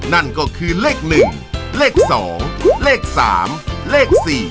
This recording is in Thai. นั่นก็คือเลข๑เลข๒เลข๓เลข๔